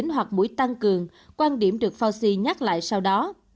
hoặc mũi tăng cường quan điểm được fauci nhắc lại sau đó